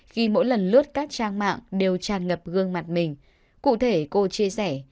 khi mỗi lần lướt các trang mạng đều tràn ngập gương mặt mình cụ thể cô chia sẻ